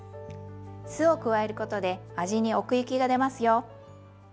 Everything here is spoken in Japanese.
酢を加えることで味に奥行きがでますよ。